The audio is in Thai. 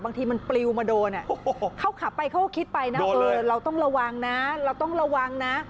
บางทีมันปลิวมาโดนเขาขับไปเขาก็คิดไปนะเออเราต้องระวังนะเราต้องระวังนะ